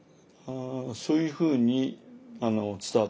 そういうふうに伝わってました。